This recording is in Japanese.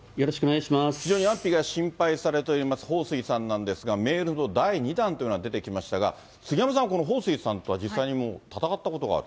非常に安否が心配されております彭帥さんなんですが、メールの第２弾というのが出てきましたが、杉山さん、この彭帥さんとは実際にもう戦ったことがある？